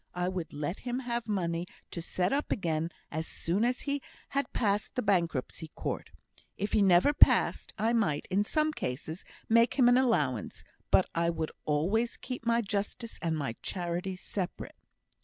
I would let him have money to set up again as soon as he had passed the Bankruptcy Court; if he never passed, I might, in some cases, make him an allowance; but I would always keep my justice and my charity separate."